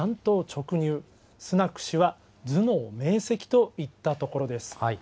直入、スナク氏は頭脳明せきといったところです。